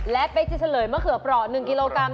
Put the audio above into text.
และเป๊กจะเฉลยมะเขือเปราะ๑กิโลกรัม